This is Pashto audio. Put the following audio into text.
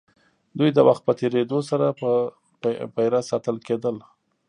دوی د وخت په تېرېدو سره په پېره ساتل کېدل.